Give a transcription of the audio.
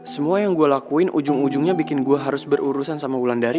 semua yang gue lakuin ujung ujungnya bikin gue harus berurusan sama wulandari